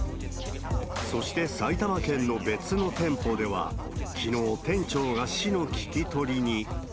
そして埼玉県の別の店舗では、きのう、店長が市の聞き取りに。